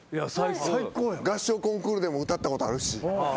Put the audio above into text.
合唱コンクールでも歌ったことあるし。